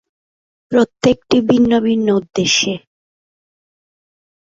প্রত্যেকটি ভিন্ন ভিন্ন উদ্দেশ্যে।